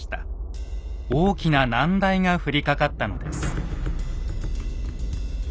大きな難題が降りかかったのです。